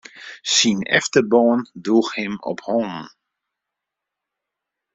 Syn efterban droech him op hannen.